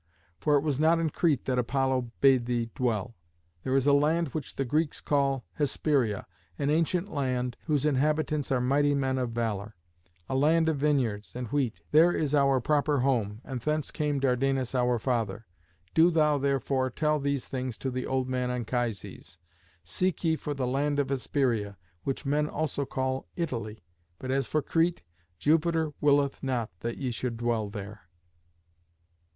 For it was not in Crete that Apollo bade thee dwell. There is a land which the Greeks call Hesperia; an ancient land, whose inhabitants are mighty men of valour; a land of vineyards and wheat. There is our proper home, and thence came Dardanus our father. Do thou, therefore, tell these things to the old man Anchises. Seek ye for the land of Hesperia, which men also call Italy; but as for Crete, Jupiter willeth not that ye should dwell there."